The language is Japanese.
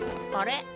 あれ？